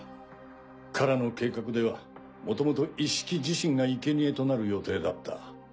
殻の計画ではもともとイッシキ自身がいけにえとなる予定だった。